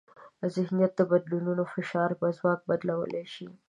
ذهنیت بدلول فشار په ځواک بدلولی شي.